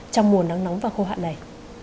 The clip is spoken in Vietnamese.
trong mùa nắng nóng và khô hạn này